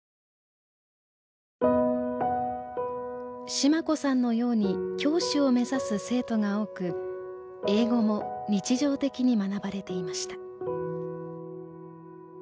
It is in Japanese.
シマ子さんのように教師を目指す生徒が多く英語も日常的に学ばれていました。